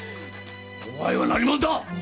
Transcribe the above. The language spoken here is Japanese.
お前は何者だ？